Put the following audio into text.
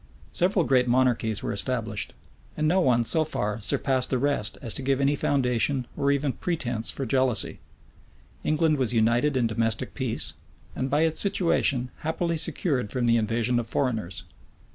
Several great monarchies were established; and no one so far surpassed the rest as to give any foundation or even pretence for jealousy. England was united in domestic peace, and by its situation happily secured from the invasion of foreigners.